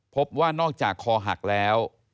พบว่านอกจากคอหักแล้ว